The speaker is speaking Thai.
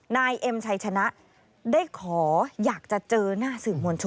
นายเอ็มชัยชนะได้ขออยากจะเจอหน้าสื่อมวลชน